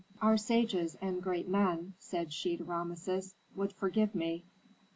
"Our sages and great men," said she to Rameses, "would forgive me.